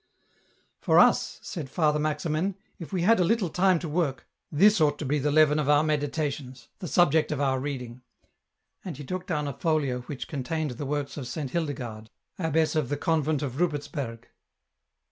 " For us," said Father Maximin, " if we had a little time to work, this ought to be the leaven of our meditations, the subject of our reading ;" and he took down a folio which con tained the works of Saint Hildegarde, abbess of the Convent of Rupertsberg.